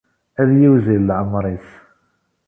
Ad yiwzil lɛemr-is.